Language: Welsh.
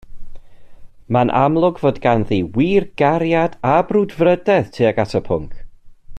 Mae'n amlwg fod ganddi wir gariad a brwdfrydedd tuag at y pwnc